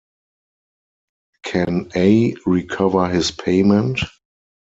Can A recover his payment?